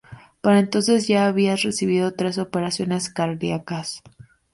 Para entonces ya había recibido tres operaciones cardiacas.